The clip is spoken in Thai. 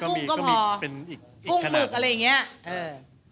กรรมปลูกหมาเป็นอีกเหมือนกี้